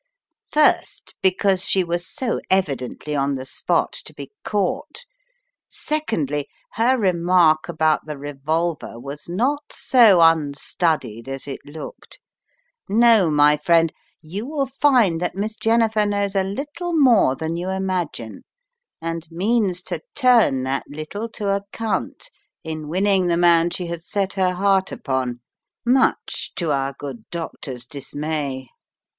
"First, because she was so evidently on the spot to be caught; secondly, her remark about the revolver was not so unstudied as it looked. No, my friend, you will find that Miss Jennifer knows a little more than you imagine, and means to turn that little to account in winning the man she has set her heart upon, much to our good doctor's dismay.